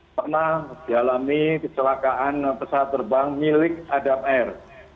pernah dialami kecelakaan pesawat terbang milik adam air